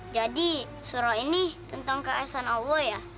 jadi surah ini tentang keaisan allah ya